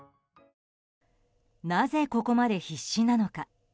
なぜ、ここまで必死なのか。